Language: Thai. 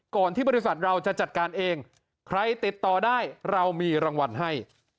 ที่บริษัทเราจะจัดการเองใครติดต่อได้เรามีรางวัลให้